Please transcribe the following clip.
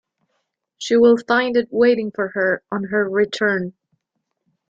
She will find it waiting for her on her return.